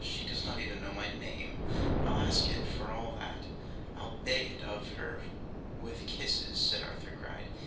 She does not even know my name.' 'I'll ask it for all that. I'll beg it of her with kisses,' said Arthur Gride.